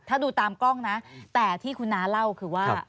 ถ้าดูตามกล้องนะแต่ที่คุณน้าเล่าคือว่า